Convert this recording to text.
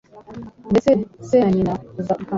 Ndetse se na nyina baza gupfa